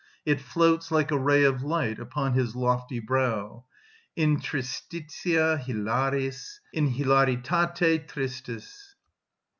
It floats like a ray of light upon his lofty brow: In tristitia hilaris, in hilaritate tristis.